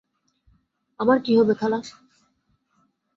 আমার কি হবে, খালা?